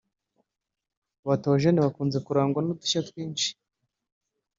Ba Théogène bakunze kurangwa n’udushya twinshi